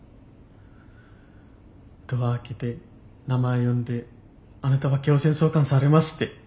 ドア開けて名前呼んであなたは強制送還されますって。